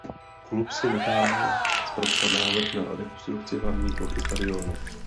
Klub si nechal zpracovat návrh na rekonstrukci hlavní plochy stadionu.